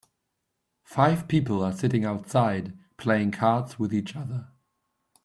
Five people are sitting outside playing cards with each other.